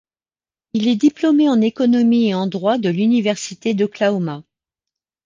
Il est diplômé en économie et en droit de l'université d'Oklahoma.